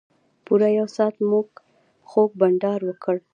پوره یو ساعت مو خوږ بنډار وکړ.